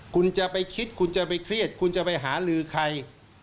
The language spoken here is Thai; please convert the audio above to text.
คุณจะไปคิดคุณจะไปเครียดคุณจะไปหาลือใคร